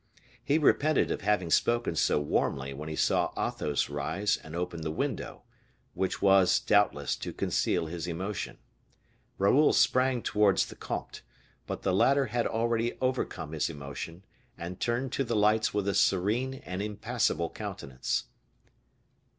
He repented of having spoken so warmly when he saw Athos rise and open the window; which was, doubtless, to conceal his emotion. Raoul sprang towards the comte, but the latter had already overcome his emotion, and turned to the lights with a serene and impassible countenance.